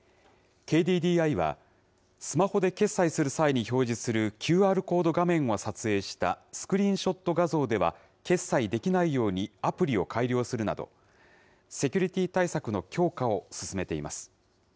ＫＤＤＩは、スマホで決済する際に表示するＱＲコード画面を撮影したスクリーンショット画像では、決済できないようにアプリを改良するなど、セキュリティー対策の強化を進めています。